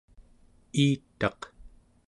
iitaq